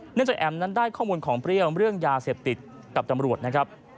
จากแอมนั้นได้ข้อมูลของเปรี้ยวเรื่องยาเสพติดกับตำรวจนะครับ